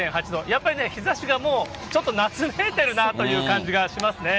やっぱりね、日ざしがもう、夏めいてるなという感じがしますね。